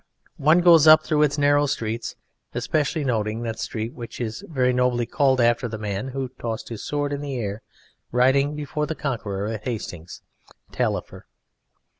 One goes up through its narrow streets, especially noting that street which is very nobly called after the man who tossed his sword in the air riding before the Conqueror at Hastings, Taillefer.